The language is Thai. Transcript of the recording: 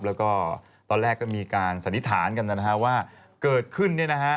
แล้วก็ตอนแรกก็มีการสันนิษฐานกันนะฮะว่าเกิดขึ้นเนี่ยนะฮะ